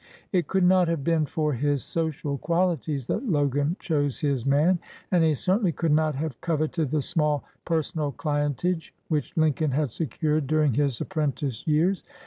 It could not have been for his social qualities that Logan chose his man, and he certainly could not have coveted the small per sonal clientage which Lincoln had secured dur ing his apprentice years.